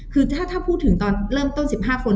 คือถ้าพูดถึงตอนเริ่มต้น๑๕คน